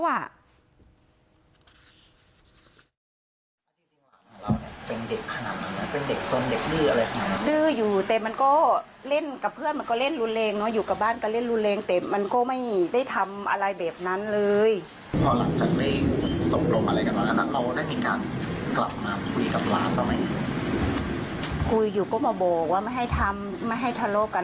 ว่าไม่ให้ทำไม่ให้ทะโลกัน